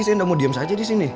saya nggak mau diam saja disini